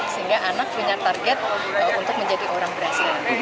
sehingga anak punya target untuk menjadi orang berhasil